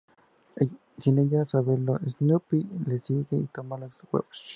Sin ella saberlo, Snoopy la sigue y toma los huevos.